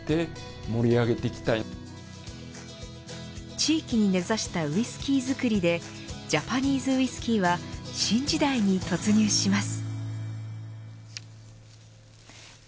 地域に根差したウイスキー造りでジャパニーズウイスキーは新時代に突入します。